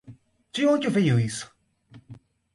De onde veio isso?